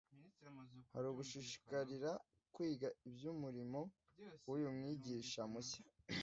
Hari ugushishikarira kwiga iby’umurimo w’uyu mwigisha mushya,